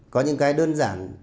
có những cái đơn giản